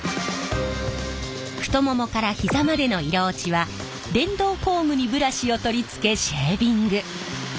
太ももから膝までの色落ちは電動工具にブラシを取り付けシェービング。